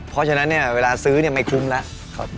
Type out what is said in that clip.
เพราะฉะนั้นเวลาซื้อไม่คุ้มแล้ว